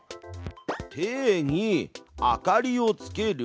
「定義明かりをつける」。